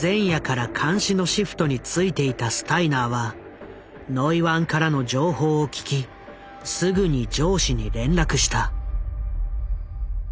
前夜から監視のシフトに就いていたスタイナーはノイワンからの情報を聞きすぐに上司に連絡した。